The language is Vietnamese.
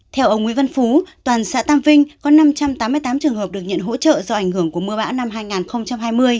theo ông nguyễn văn phú toàn xã tam vinh có năm trăm tám mươi tám trường hợp được nhận hỗ trợ do ảnh hưởng của mưa bão năm hai nghìn hai mươi